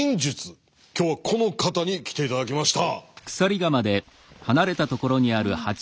今日はこの方に来て頂きました。